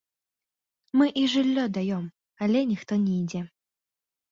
Мы і жыллё даём, але ніхто не ідзе.